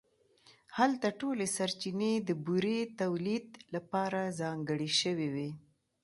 هلته ټولې سرچینې د بورې تولید لپاره ځانګړې شوې وې